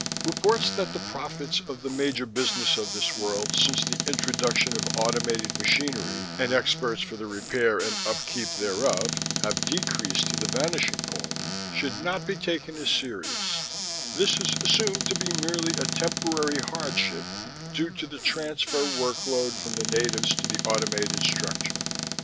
... Reports that the profits of the major business of this world, since the introduction of automated machinery and experts for the repair and upkeep thereof, have decreased to the vanishing point should not be taken as serious: this is assumed to be merely a temporary hardship due to the transfer workload from the natives to the automated structure....